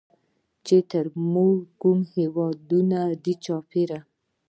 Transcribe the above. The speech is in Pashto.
چې تر مونږ کوم هېوادونه دي چاپېره